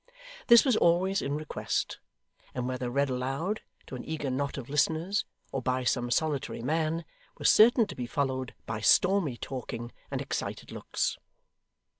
This was always in request; and whether read aloud, to an eager knot of listeners, or by some solitary man, was certain to be followed by stormy talking and excited looks.